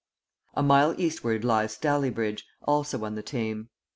A mile eastward lies Stalybridge, also on the Tame.